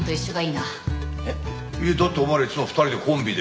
だってお前らいつも２人でコンビで。